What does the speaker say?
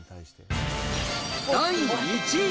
第１位。